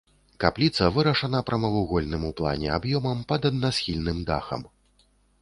Капліца вырашана прамавугольным у плане аб'ёмам пад аднасхільным дахам.